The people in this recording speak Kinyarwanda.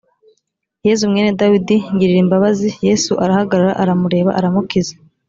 yezu mwene dawidi ngirira imbabazi yesu arahagarara aramureba aramukiza